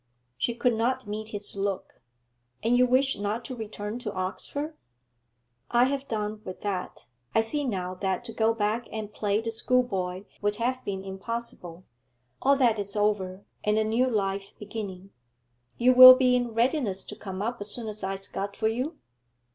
She could not meet his look. 'And you wish not to return to Oxford?' 'I have done with that. I see now that to go back and play the schoolboy would have been impossible; all that is over and a new life beginning you will be in readiness to come up as soon as I scud for you?'